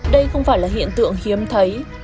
đây không phải là hiện tượng hiếm thấy